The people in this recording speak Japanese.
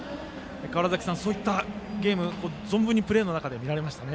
川原崎さん、そういったゲーム存分にプレーの中で見られましたね。